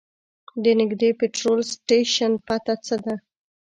د نږدې پټرول سټیشن پته څه ده؟